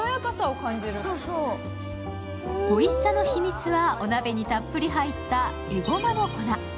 おいしさの秘密はお鍋にたっぷり入ったえごまの粉。